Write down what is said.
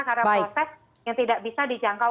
karena proses yang tidak bisa dijangkau